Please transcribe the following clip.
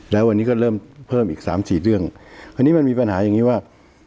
แล้ววันนี้ก็เริ่มเพิ่มอีกสามสี่เรื่องอันนี้มันมีปัญหาอย่างงี้ว่า